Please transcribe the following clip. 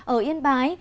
ở yên bái